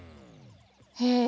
へえ。